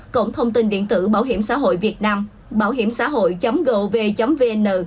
cộng thông tin điện tử bảo hiểm xã hội việt nam bảo hiểmxãhội gov vn